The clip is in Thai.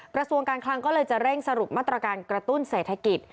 กระทรวงการคลังก็เลยจะเร่งสรุปมาตรการกระตุ้นเศรษฐกิจ